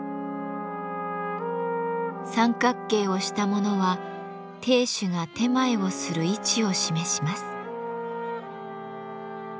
三角形をしたものは亭主が点前をする位置を示します。